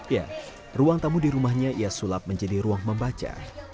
ya ruang tamu di rumahnya ia sulap menjadi ruang membaca